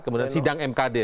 kemudian sidang mkd